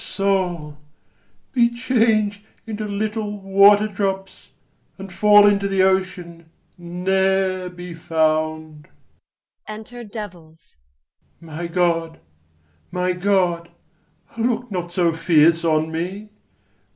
] O soul, be chang'd into little water drops, And fall into the ocean, ne'er be found! Enter DEVILS. My God, my god, look not so fierce on me!